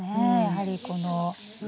やはりこの。